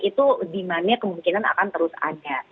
itu demandnya kemungkinan akan terus ada